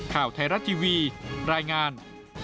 ข่าวไทยรัฐทีวีรายงาน